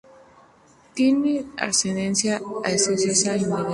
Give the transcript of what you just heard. Tiene ascendencia escocesa e irlandesa.